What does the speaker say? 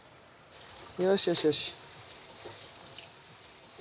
よしよしよし。